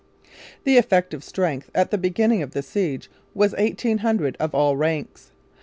The effective strength at the beginning of the siege was eighteen hundred of all ranks.